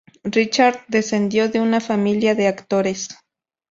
Richard descendió de una familia de actores.